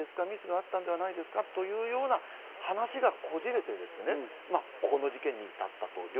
ミスがあったんではないですか？というような話がこじれて、この事件に至ったと。